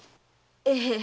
ええ。